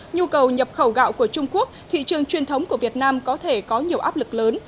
nhu cầu nhập khẩu gạo của trung quốc thị trường truyền thống của việt nam có thể có nhiều áp lực lớn